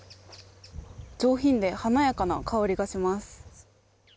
上品で華やかな香りがします。